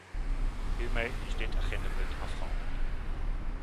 Hiermee is dit agendapunt afgehandeld.